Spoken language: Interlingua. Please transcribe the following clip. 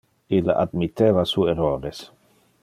Ille admitteva su errores.